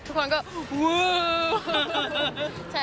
ทุกคนก็วช์